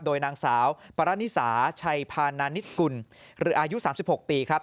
โดยนางสาวปรณิสาชัยพานานิตกุลหรืออายุ๓๖ปีครับ